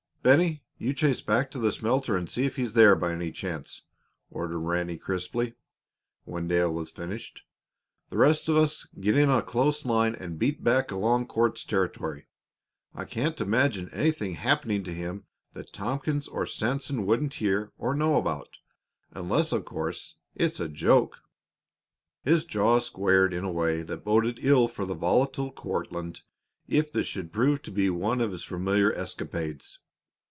"Bennie, you chase back to the smelter and see if he's there by any chance," ordered Ranny, crisply, when Dale had finished. "The rest of us get in a close line and beat back along Court's territory. I can't imagine anything happening to him that Tompkins or Sanson wouldn't hear or know about unless, of course, it's a joke." His jaw squared in a way that boded ill for the volatile Courtlandt if this should prove to be one of his familiar escapades.